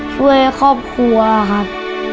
ช่วยครอบครัวครับ